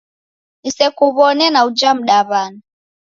Nisekuw'one na uja mdaw'ana